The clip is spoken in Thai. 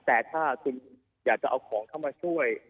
แต่ถ้าคุณอยากจะเอาของเข้ามาช่วย